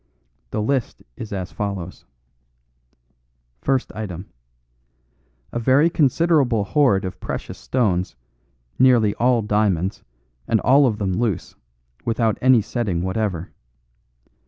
The list is as follows: "First item. A very considerable hoard of precious stones, nearly all diamonds, and all of them loose, without any setting whatever.